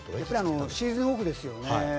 シーズンオフですね。